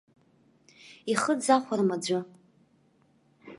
Ихы дзахәарым аӡәы.